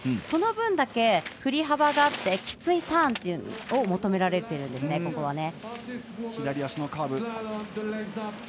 その分だけ、振り幅があってきついターンを求められているんですね、ここは。